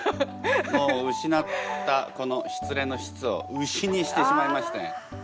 もう失ったこの失恋の「失」を「牛」にしてしまいまして。